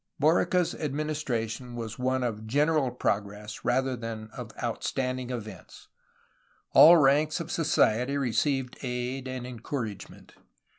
Borica's administration was one of general progress, rather than of outstanding events. All ranks of society received aid and encouragement.